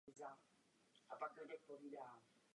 Mají dobře vyvinuté prsty se silnými drápy.